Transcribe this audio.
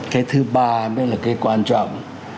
cái thứ ba mới là cái quan trọng